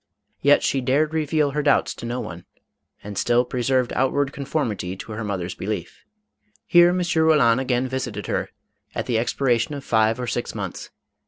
Yet she dared reveal her doubts to no one, and still preserved outward conformity to her mother's belief. Here M. Eoland again visited her, at the expiration of five or six months.